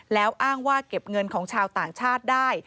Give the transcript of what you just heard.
แล้วอ้างว่าเก็บเงินของชาวต่างชาติได้